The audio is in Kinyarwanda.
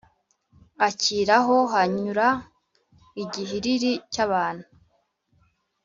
akiraho hanyura igihiriri cyabantu